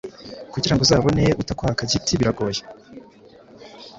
Kugira ngo uzabone utakwaka giti biragoye